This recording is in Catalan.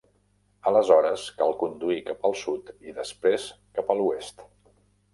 Aleshores cal conduir cap al sud i després cap a l'oest.